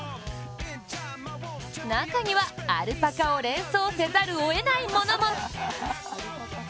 中ではアルパカを連想せざるをえないものも。